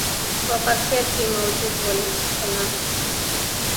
په پکتیا کې موجود ول کنه.